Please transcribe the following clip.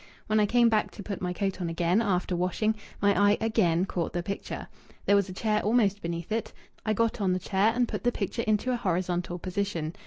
When I came back to put my coat on again after washing, my eye again caught the picture. There was a chair almost beneath it. I got on the chair and put the picture into an horizontal position.